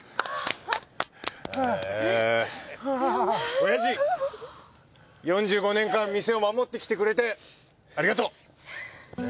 おやじ４５年間店を守ってきてくれてありがとう。